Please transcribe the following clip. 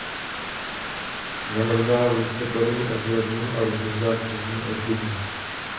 Zamrzá v listopadu až v lednu a rozmrzá v březnu až v dubnu.